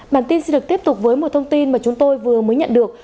bản tin sẽ được tiếp tục với một thông tin mà chúng tôi vừa mới nhận được